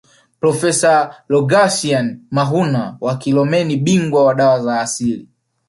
Profesa Rogasian Mahuna wa Kilomeni bingwa wa dawa za asili